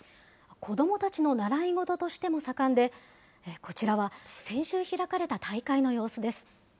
子どもたちの習い事としても盛んで、こちらは先週開かれた大会の様子です。